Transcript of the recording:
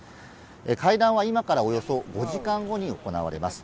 会談は今からおよそ５時間後に行われます。